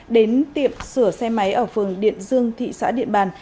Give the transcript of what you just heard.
đến tiệm sửa xe máy ở phường điện dương thị xã điện bàn